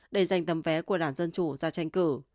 để giành tấm vé của đảng dân chủ ra tranh cử